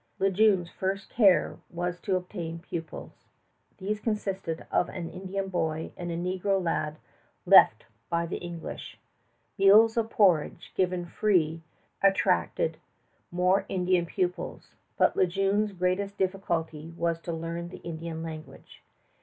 Le Jeune's first care was to obtain pupils. These consisted of an Indian boy and a negro lad left by the English. Meals of porridge given free attracted more Indian pupils; but Le Jeune's greatest difficulty was to learn the Indian language.